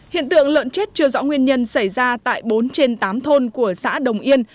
hiện tượng lợn chết chưa rõ nguyên nhân xảy ra tại bốn trên tám thôn của xã đồng yên